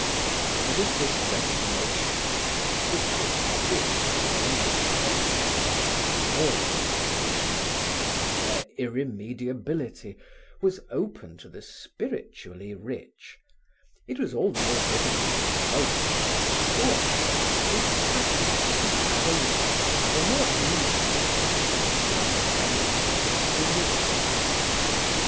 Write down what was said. But if this resignation, which was obviously the only outcome of the deplorable condition of things and their irremediability, was open to the spiritually rich, it was all the more difficult of approach to the poor whose passions and cravings were more easily satisfied by the benefits of religion.